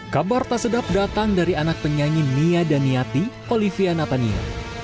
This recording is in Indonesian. kabar tak sedap datang dari anak penyanyi nia daniati olivia natania